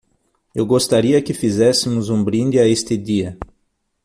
Eu gostaria que fizéssemos um brinde a este dia